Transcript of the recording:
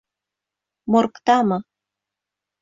Моргтамы?